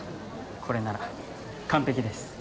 これなら完璧です。